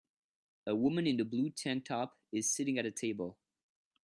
A woman in a blue tank top is sitting at a table